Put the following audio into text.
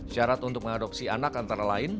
syarat untuk mengadopsi anak antara lain